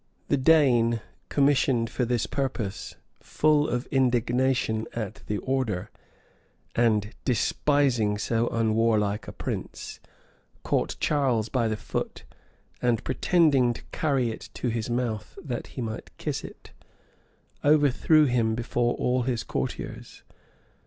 The Dane, commissioned for this purpose, full of indignation at the order, and despising so unwarlike a prince, caught Charles by the foot, and pretending to carry it to his mouth, that he might kiss it, overthrew him before all his courtiers.